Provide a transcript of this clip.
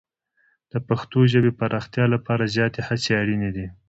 د پښتو ژبې پراختیا لپاره زیاتې هڅې اړینې دي.